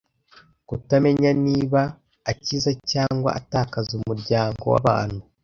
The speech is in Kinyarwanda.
kutamenya niba akiza cyangwa atakaza umuryango wabantu